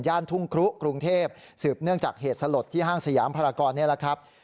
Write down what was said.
ทุ่งครุกรุงเทพสืบเนื่องจากเหตุสลดที่ห้างสยามภารกรนี่แหละครับ